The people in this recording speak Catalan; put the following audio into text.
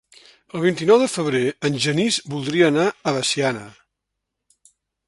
El vint-i-nou de febrer en Genís voldria anar a Veciana.